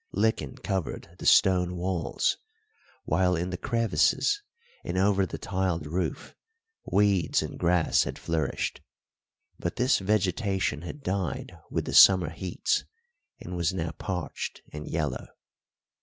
Lichen covered the stone walls, while, in the crevices and over the tiled roof, weeds and grass had flourished; but this vegetation had died with the summer heats and was now parched and yellow.